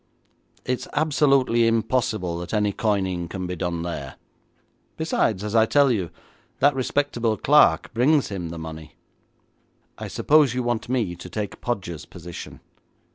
It is absolutely impossible that any coining can be done there. Besides, as I tell you, that respectable clerk brings him the money.' 'I suppose you want me to take Podgers' position?'